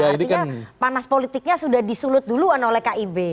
artinya panas politiknya sudah disulut duluan oleh kib